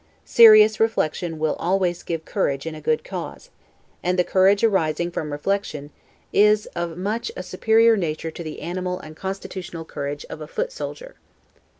Serious reflection will always give courage in a good cause; and the courage arising from reflection is of a much superior nature to the animal and constitutional courage of a foot soldier.